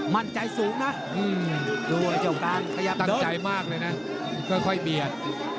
มั่นใจสูงนะตั้งใจมากเลยนะก็ค่อยเบียด